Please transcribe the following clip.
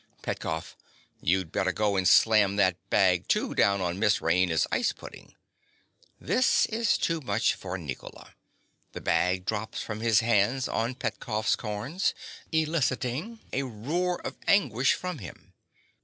_) PETKOFF. You'd better go and slam that bag, too, down on Miss Raina's ice pudding! (_This is too much for Nicola. The bag drops from his hands on Petkoff's corns, eliciting a roar of anguish from him.